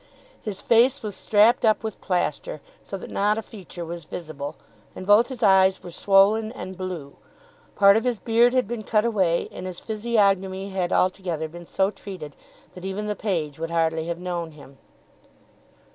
His face was strapped up with plaister so that not a feature was visible; and both his eyes were swollen and blue; part of his beard had been cut away, and his physiognomy had altogether been so treated that even the page would hardly have known him.